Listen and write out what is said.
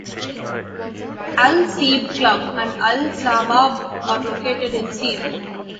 Al Seeb Club and Al-Shabab are located in Seeb.